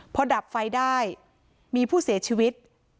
พอดับไฟได้มีผู้เสียชีวิต